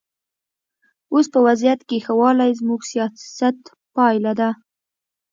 اوس په وضعیت کې ښه والی زموږ سیاست پایله ده.